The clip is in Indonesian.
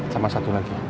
sama satu lagi